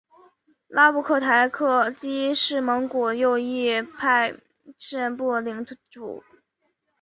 拉布克台吉是蒙古右翼兀慎部领主。